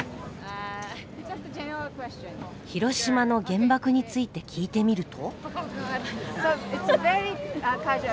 広島の原爆について聞いてみると。